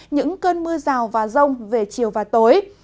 những cơn mưa rào và rông về chiều và tối